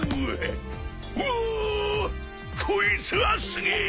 こいつはすげえ！